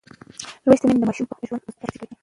لوستې میندې د ماشوم پر ژوند مثبت اغېز کوي.